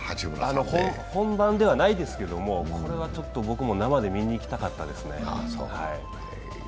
本番ではないですけど、これはちょっと僕も生で見に行きたかったですね。